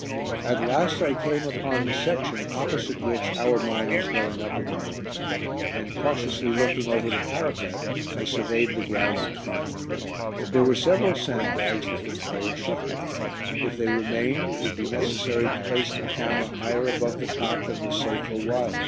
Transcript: At last I came upon the section opposite which our mine was going up in the morning, and cautiously looking over the parapet I surveyed the ground in front. There were several sandbags that required shifting. If they remained it would be necessary to place the camera higher above the top than was safe or wise.